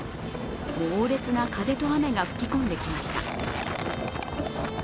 猛烈な風と雨が吹き込んできました。